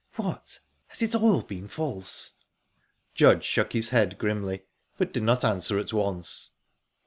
"What, has it all been false?" Judge shook his head grimly, but did not answer at once...